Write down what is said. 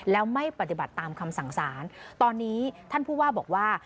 แล้วไม่ปฏิบัติตามคำสั่งสารตอนนี้ท่านผู้ว่าบอกว่า